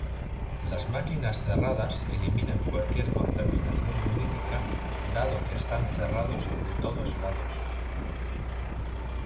Las máquinas cerradas eliminan cualquier contaminación lumínica dado que están cerrados de todos lados.